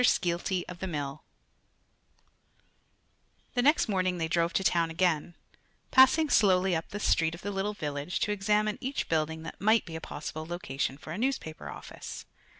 SKEELTY OF THE MILL The next morning they drove to town again, passing slowly up the street of the little village to examine each building that might be a possible location for a newspaper office.